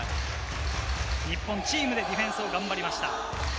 日本チームでディフェンスを頑張りました。